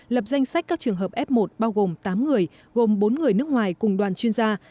lập danh sách các trường hợp f một bao gồm tám người gồm bốn người nước ngoài cùng đoàn chuyên gia